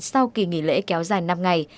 sau kỳ nghỉ lễ kéo dài năm ngày